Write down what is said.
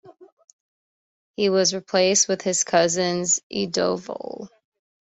He was replaced with his cousin, Idvallo.